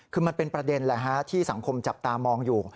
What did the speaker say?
คือมันเป็นประเด็นแหละฮะที่สังคมจับตามองอยู่